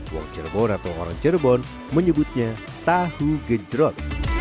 uang cirebon atau orang cirebon menyebutnya tahu gejerot